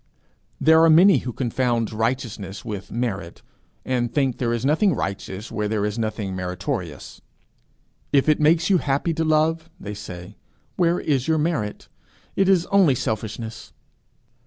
There are many who confound righteousness with merit, and think there is nothing righteous where there is nothing meritorious. 'If it makes you happy to love,' they say, 'where is your merit? It is only selfishness!'